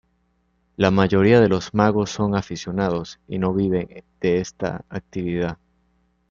La mayoría de los magos son aficionados y no viven de esta actividad.